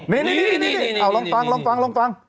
นี่เอาลองฟัง